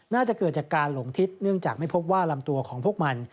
น่าจะเกิดจากการหลงทิศเนื่องจากไม่พบว่าลำตัวของพวกมัน